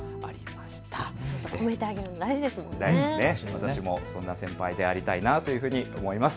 私もそんな先輩でありたいなと思います。